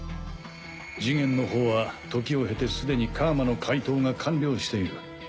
ジゲンのほうは時をへてすでに楔の解凍が完了している。